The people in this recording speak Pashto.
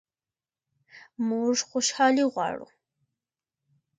موږ خوشحالي غواړو